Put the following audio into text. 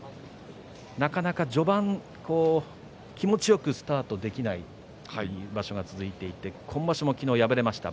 なかなか序盤気持ちよくスタートできない場所が続いていて今場所も昨日、敗れました。